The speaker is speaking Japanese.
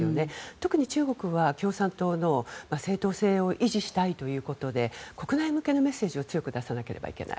特に中国は共産党の正当性を維持したいということで国内向けのメッセージを強く出さなければいけない。